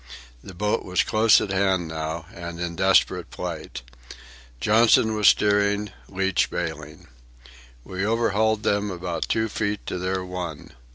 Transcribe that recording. The boat was close at hand now, and in desperate plight. Johnson was steering, Leach bailing. We overhauled them about two feet to their one.